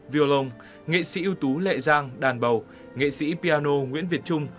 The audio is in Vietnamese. violon nghệ sĩ ưu tú lệ giang đàn bầu nghệ sĩ piano nguyễn việt trung